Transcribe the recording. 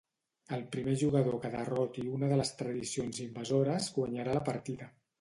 El primer jugador que derroti una de les tradicions invasores guanyarà la partida.